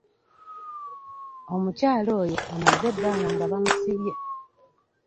Omukyala oyo amaze ebbanga nga bamusibye.